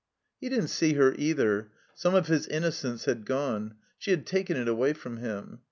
He didn't see her either. Some of his innocence had gone. She had taken it away from him.